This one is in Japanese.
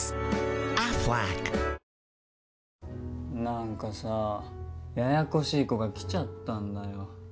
何かさややこしい子が来ちゃったんだよ。